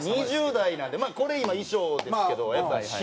２０代なんでこれ今衣装ですけどやっぱ私服ダサすぎて。